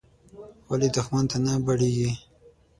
ولې دوښمن ته نه بړېږې.